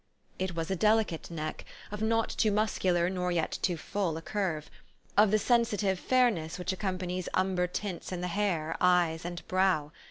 It was a delicate neck, of not too muscular nor yet too full a curve ; of the sensitive fairness which ac companies umber tints in the hair, eyes, and brow.